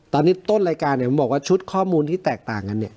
ตอนนี้ต้นรายการเนี่ยผมบอกว่าชุดข้อมูลที่แตกต่างกันเนี่ย